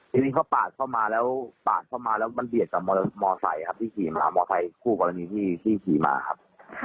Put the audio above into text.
ทีนี้เขาปาดเข้ามาแล้วปาดเข้ามาแล้วมันเบียดกับมอไซค์ครับที่ขี่มามอเซคู่กรณีที่ขี่มาครับ